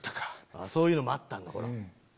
そういうのもあったんだほら。